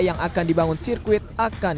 yang akan dibangun sirkuit akan